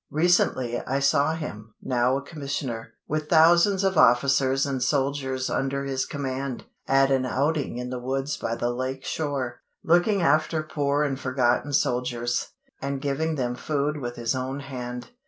Recently I saw him, now a Commissioner, with thousands of Officers and Soldiers under his command, at an outing in the woods by the lake shore, looking after poor and forgotten Soldiers, and giving them food with his own hand.